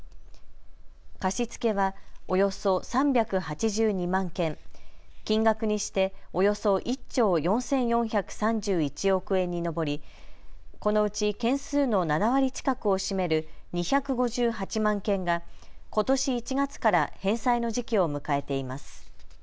貸し付けはおよそ３８２万件、金額にしておよそ１兆４４３１億円に上りこのうち件数の７割近くを占める２５８万件がことし１月から返済の時期を迎えています。